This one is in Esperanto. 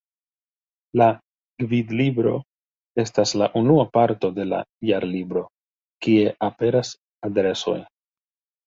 La „Gvidlibro” estas la unua parto de la Jarlibro, kie aperas adresoj.